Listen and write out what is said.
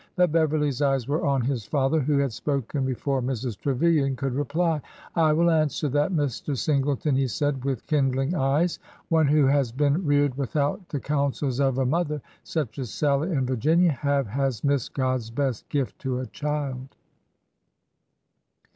But Beverly's eyes were on his father, who had spoken be fore Mrs. Trevilian could reply. " I will answer that, Mr. Singleton," he said, with kin dling eyes. " One who has been reared without the coun sels of a mother such as Sallie and Virginia have, has missed God's best gift to a child."